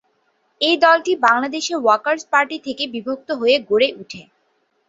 এই দলটি বাংলাদেশের ওয়ার্কার্স পার্টি থেকে বিভক্ত হয়ে গড়ে ওঠে।